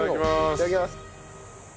いただきます。